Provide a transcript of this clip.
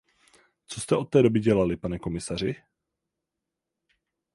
Co jste od té doby dělali, pane komisaři?